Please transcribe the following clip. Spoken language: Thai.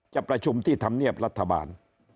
จะประชุมที่ธรรมเนียบรัฐบาล